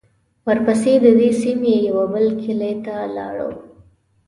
ورپسې د دې سیمې یوه بل کلي ته لاړو.